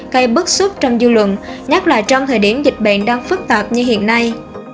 cây bức xúc trong dư luận nhắc lại trong thời điểm dịch bệnh đang phức tạp như hiện nay